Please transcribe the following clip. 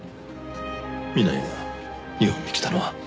南井が日本に来たのは？